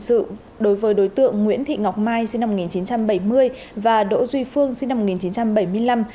hình sự đối với đối tượng nguyễn thị ngọc mai sinh năm một nghìn chín trăm bảy mươi và đỗ duy phương sinh năm một nghìn chín trăm bảy mươi năm